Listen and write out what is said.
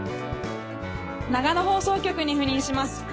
長野放送局に赴任します